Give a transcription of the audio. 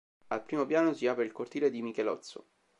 Al primo piano si apre il cortile di Michelozzo.